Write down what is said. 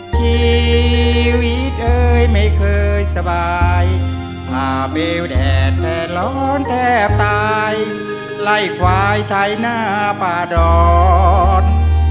ชีวิตเอ่ยไม่เคยสบายผ่าเบลแดดแดดร้อนแทบตายไล่ควายไทยหน้าป่าดอน